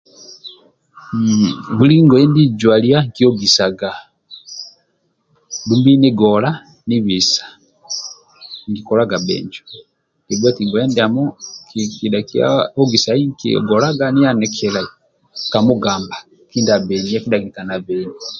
Mmm buli ngoye ndie nijwalua nkiogisag dumbi nigola nibisa nkikolaga bhinjo eti ngoye ndiamo kidhakia ogisai nkilgolaga nibisa ka mugamba kindia abbenia kindia akilika na abenia